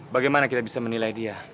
bagaimana kita bisa menilai dia